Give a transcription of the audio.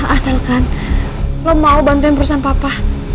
asalkan lo mau bantuin perusahaan papa